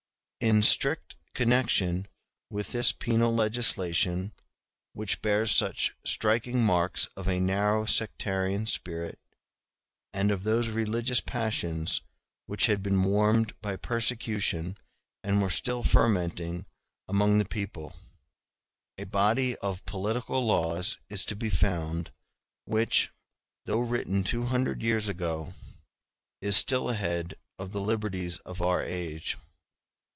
In strict connection with this penal legislation, which bears such striking marks of a narrow sectarian spirit, and of those religious passions which had been warmed by persecution and were still fermenting among the people, a body of political laws is to be found, which, though written two hundred years ago, is still ahead of the liberties of our age.